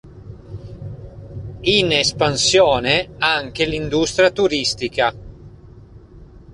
In espansione anche l'industria turistica.